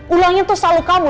ulangnya tuh selalu kamu